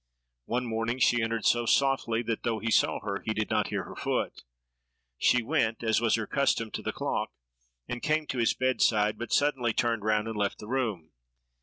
One morning, she entered so softly, that, though he saw her, he did not hear her foot. She went, as was her custom, to the clock, and came to his bedside, but suddenly turned round and left the room.